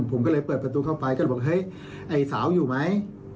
ผมก็เลยเปิดประตูเข้าไปก็เลยบอกเฮ้ยไอ้สาวอยู่ไหม